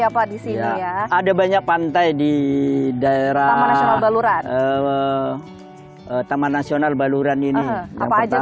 apa di sini ada banyak pantai di daerah baluran taman nasional baluran ini